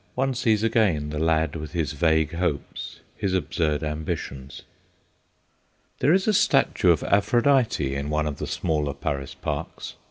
One sees again the lad with his vague hopes, his absurd ambitions. There is a statue of Aphrodite in one of the smaller Paris parks.